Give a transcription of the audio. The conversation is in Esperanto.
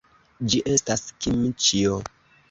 Ĝi estas kimĉio.